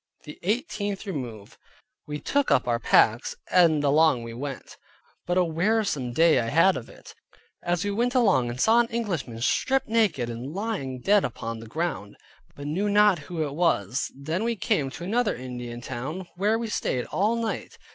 THE EIGHTEENTH REMOVE We took up our packs and along we went, but a wearisome day I had of it. As we went along I saw an Englishman stripped naked, and lying dead upon the ground, but knew not who it was. Then we came to another Indian town, where we stayed all night.